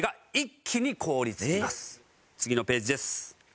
次のページですはい。